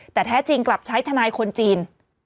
แต่แท้จริงกลับใช้ทนายคนจีน